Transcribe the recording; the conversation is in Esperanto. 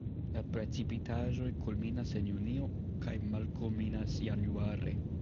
La precipitaĵoj kulminas en junio kaj malkulminas januare.